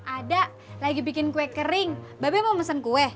ada lagi bikin kue kering bape mau mesen kue